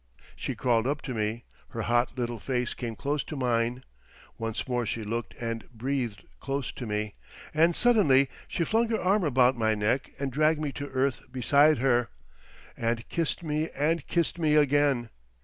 She crawled up to me, her hot little face came close to mine; once more she looked and breathed close to me, and suddenly she flung her arm about my neck and dragged me to earth beside her, and kissed me and kissed me again.